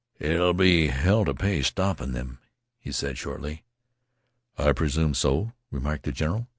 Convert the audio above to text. "It'll be hell t' pay stoppin' them," he said shortly. "I presume so," remarked the general.